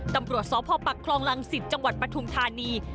ตำรวจสอบพ่อปากคลองลังศิษย์จังหวัดปทุงธานี